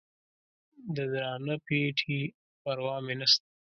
د درانه پېټي پروا مې نسته